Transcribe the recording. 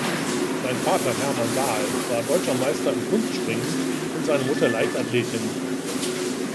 Sein Vater Hermann Dahl war Deutscher Meister im Kunstspringen und seine Mutter Leichtathletin.